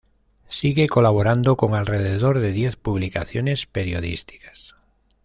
Sigue colaborando con alrededor de diez publicaciones periodísticas.